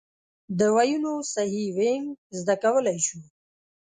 د ویونو صحیح وینګ زده کولای شو.